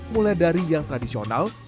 mulai dari yang tradisional